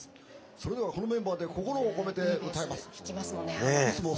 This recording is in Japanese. それではこのメンバーで心を込めて歌います。